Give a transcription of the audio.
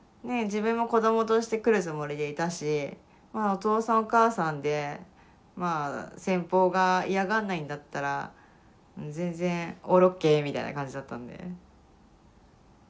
自分も子どもとして来るつもりでいたしお父さんお母さんで先方が嫌がんないんだったら全然オールＯＫみたいな感じだったんで。